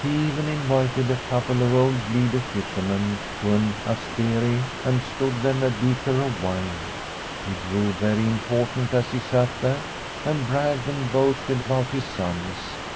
He even invited a couple of old Lido fishermen to an asteri and stood them a beaker of wine. He grew very important as he sat there and bragged and boasted about his sons.